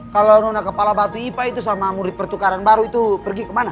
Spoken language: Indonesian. kalau nona kepala batu ipa itu sama murid pertukaran baru itu pergi kemana